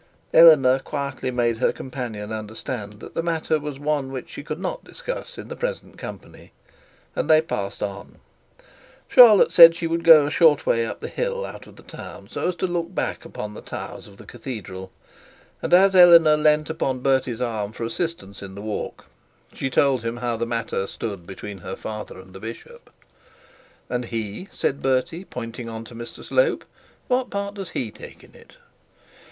Eleanor quietly made her companion to understand that the matter was one which she could not discuss in the present company; and then they passed on; Charlotte said she would go a short way up the hill out of the town so as to look back on the towers of the cathedral, and as Eleanor leant upon Bertie's arm for assistance in the walk, she told him how the matter stood between her father and the bishop. 'And, he,' said Bertie, pointing on to Mr Slope, 'what part does he take in it?'